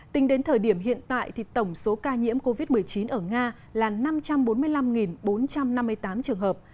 tính đến thời điểm hiện tại thì tổng số ca nhiễm covid một mươi chín ở nga là năm trăm bốn mươi năm bốn trăm năm mươi tám trường hợp